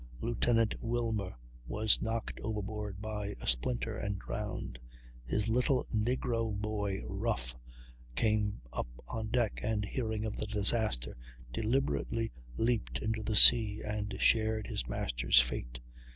Lieutenant Wilmer was knocked overboard by a splinter, and drowned; his little negro boy, "Ruff," came up on deck, and, hearing of the disaster, deliberately leaped into the sea and shared his master's fate.